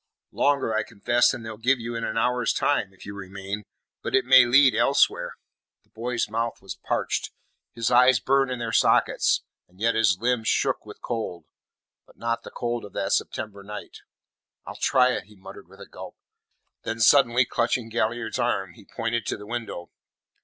"Longer, I confess, than they'll give you in an hour's time, if you remain; but it may lead elsewhere." The boy's mouth was parched. His eyes burned in their sockets, and yet his limbs shook with cold but not the cold of that September night. "I'll try it," he muttered with a gulp. Then suddenly clutching Galliard's arm, he pointed to the window.